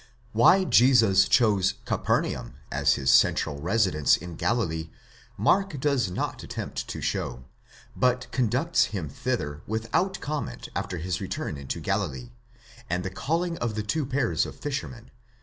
Why Jesus chose Capernaum as his central residence in Galilee, Mark does not attempt to show, but conducts him thither without comment after his return into Galilee, and the calling of the two pairs of fishermen (i.